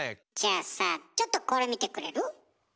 じゃあさちょっとこれ見てくれる？